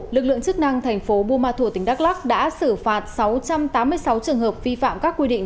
lực lượng chức năng tp bumathur tỉnh đắk lắc đã xử phạt sáu trăm tám mươi sáu trường hợp vi phạm các quy định